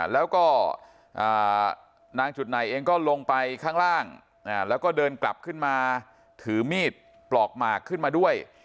แล้วก็นางจุดไหนเองก็ลงไปข้างล่างแล้วก็เดินกลับขึ้นมาถือมีดปลอกหมากขึ้นมาด้วย